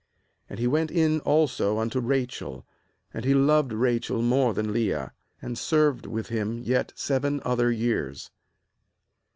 30And he went in also unto Rachel, and he loved Rachel more than Leah, and served with him yet seven other years.